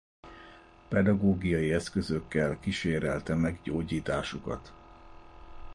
Pedagógiai eszközökkel kísérelte meg gyógyításukat.